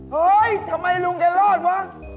เฮ้ยทำไมลุงจะรอดวะ